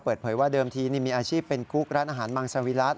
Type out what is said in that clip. เปิดเผยว่าเดิมทีมีอาชีพเป็นคุกร้านอาหารมังสวิรัติ